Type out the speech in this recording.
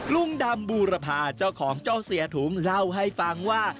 ลุงดำบูรพาเจ้าของเจ้าเสียถุงเล่าให้ฟังว่า